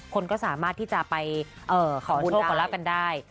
คนก็สามารถที่จะไปขอโชคขอลาบกันได้